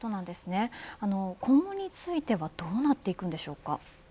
今後についてはどうなっていくんでしょうか。